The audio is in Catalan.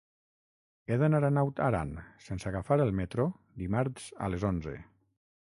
He d'anar a Naut Aran sense agafar el metro dimarts a les onze.